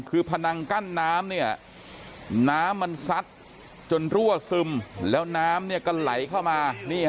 คือพนังกั้นน้ำเนี่ยน้ำมันซัดจนรั่วซึมแล้วน้ำเนี่ยก็ไหลเข้ามา